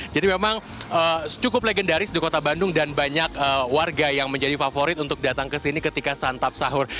jadi memang cukup legendaris di kota bandung dan banyak warga yang menjadi favorit untuk datang ke sini ketika santap sahur